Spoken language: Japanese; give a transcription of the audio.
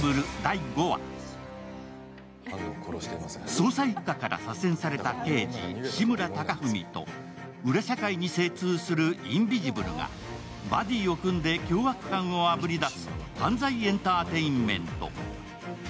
捜査一課から左遷された刑事、志村貴文と裏社会に精通するインビジブルがバディを組んで凶悪犯をあぶり出す、犯罪エンターテインメント。